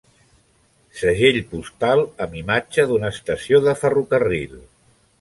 Segell postal amb imatge d'una estació de ferrocarril.